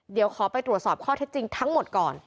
เดี๋ยวขอไปตรวจสอบข้อเท็จจริงทั้งหมดก่อน